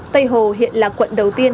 tây hồ hiện là quận đầu tiên